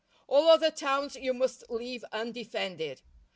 All other towns you must leave undefended.